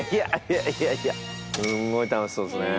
すごい楽しそうですね。